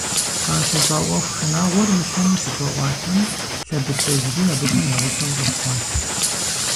КъащыщӀа Ӏуэху шынагъуэр Мыщэм щыхуаӀуатэм, лъэбыцэжьри абыхэм я гъусэу щӀэпхъуащ.